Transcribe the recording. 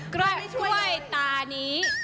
กล้วยตานี้